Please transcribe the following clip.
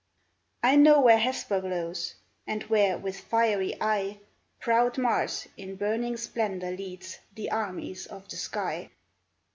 " I know where Hesper glows, And where, with fiery eye, Proud Mars in burning splendor leads The armies of the sky.